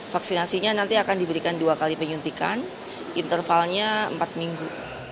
vaksinasinya nanti akan diberikan dua kali penyuntikan intervalnya empat minggu